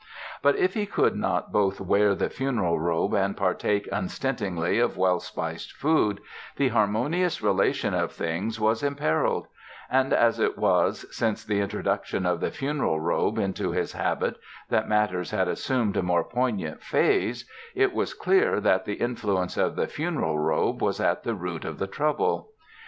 But if he could not both wear the funeral robe and partake unstintingly of well spiced food, the harmonious relation of things was imperilled; and, as it was since the introduction of the funeral robe into his habit that matters had assumed a more poignant phase, it was clear that the influence of the funeral robe was at the root of the trouble.